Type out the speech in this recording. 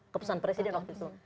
kepesan presiden waktu itu